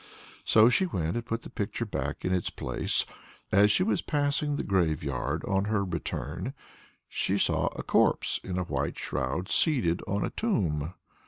So she went and put the picture back in its place. As she was passing the graveyard on her return, she saw a corpse in a white shroud, seated on a tomb.